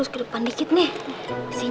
kenapa madison mau music